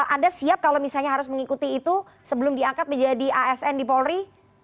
anda siap kalau misalnya harus mengikuti itu sebelum diangkat menjadi asn di polri